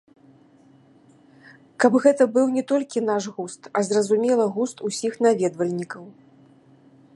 Каб гэта быў не толькі наш густ, а, зразумела, густ усіх наведвальнікаў.